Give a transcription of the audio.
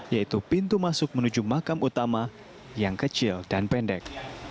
yaitu pintu masuk menuju makam utama yang kecil dan pendek